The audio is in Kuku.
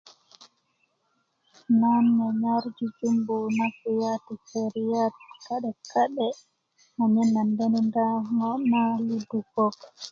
nan nyarnyar jujumbu na kulya ti keriyat kadekade a nyen na denuda ko na ludukak